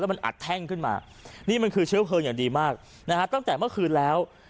แล้วมันอัดแท่งขึ้นมา